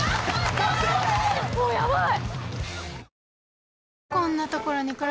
もうヤバい！